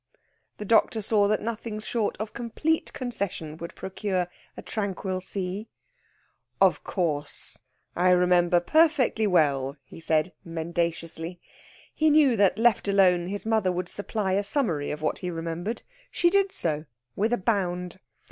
The doctor saw that nothing short of complete concession would procure a tranquil sea. "Of course, I remember perfectly well," he said mendaciously. He knew that, left alone, his mother would supply a summary of what he remembered. She did so, with a bound.